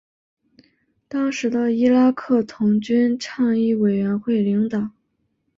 当时的伊拉克童军倡议委员会领导。